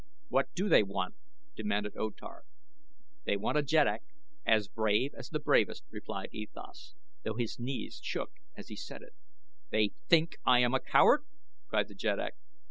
"What do they want?" demanded O Tar. "They want a jeddak as brave as the bravest," replied E Thas, though his knees shook as he said it. "They think I am a coward?" cried the jeddak.